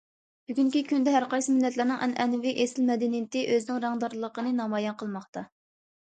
بۈگۈنكى كۈندە ھەرقايسى مىللەتلەرنىڭ ئەنئەنىۋى ئېسىل مەدەنىيىتى ئۆزىنىڭ رەڭدارلىقىنى نامايان قىلماقتا.